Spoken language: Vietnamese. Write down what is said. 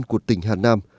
của tỉnh hà nam